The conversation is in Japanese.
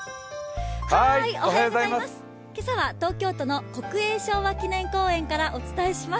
今朝は東京都の国営昭和記念公園からお伝えします。